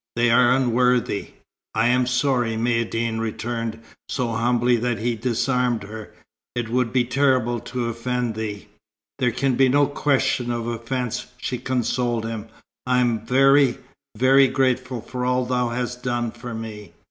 They are unworthy." "I am sorry," Maïeddine returned, so humbly that he disarmed her. "It would be terrible to offend thee." "There can be no question of offence," she consoled him. "I am very, very grateful for all thou hast done for me.